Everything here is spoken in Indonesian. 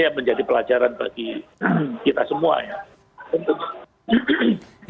yang menjadi pelajaran bagi kita semua ya